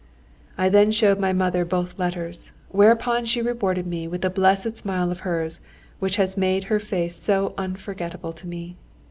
I then showed my mother both letters, whereupon she rewarded me with that blessed smile of hers which has made her face so unforgettable to me.